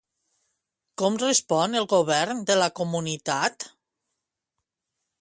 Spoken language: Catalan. Com respon el govern de la comunitat?